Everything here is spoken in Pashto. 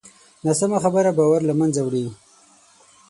ناسمه خبره باور له منځه وړي